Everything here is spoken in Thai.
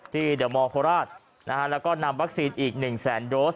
ที่เดี๋ยวมอร์โคราชนะฮะแล้วก็นำวัคซีนอีกหนึ่งแสนโดส